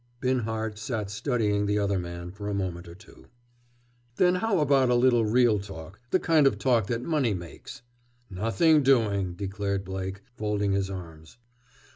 Binhart sat studying the other man for a moment or two. "Then how about a little real talk, the kind of talk that money makes?" "Nothing doing!" declared Blake, folding his arms.